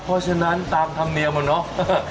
เพราะฉะนั้นตามทำเนียวมาเนอะ